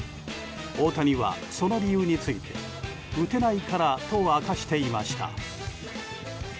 大谷は、その理由について打てないからと明かしていました。